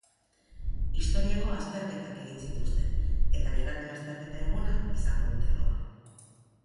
Historiako azterketak egin zituzten, eta bigarren azterketa eguna izango dute gaur.